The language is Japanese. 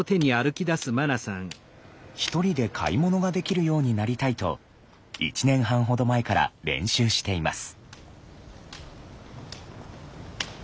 １人で買い物ができるようになりたいと１年半ほど前から練習しています。